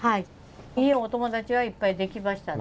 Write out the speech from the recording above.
いいお友達はいっぱい出来ましたね。